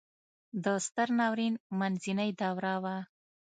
د ستر ناورین منځنۍ دوره وه.